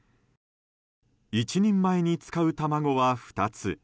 １人前に使う卵は２つ。